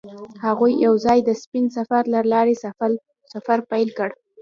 هغوی یوځای د سپین سفر له لارې سفر پیل کړ.